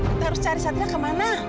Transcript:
kita harus cari satria kemana